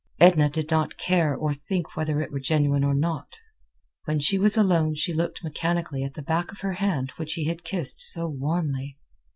Edna did not care or think whether it were genuine or not. When she was alone she looked mechanically at the back of her hand which he had kissed so warmly.